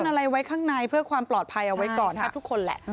อะไรไว้ข้างในเพื่อความปลอดภัยเอาไว้ก่อนแทบทุกคนแหละ